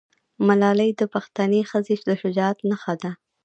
ملالۍ د پښتنې ښځې د شجاعت نښه ده.